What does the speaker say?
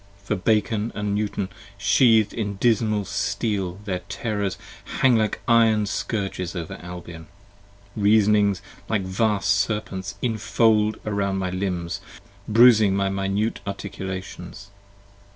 For Bacon & Newton sheath'd in dismal steel their terrors hang Like iron scourges over Albion. Reasonings like vast Serpents Infold around my limbs, bruising my minute articulations.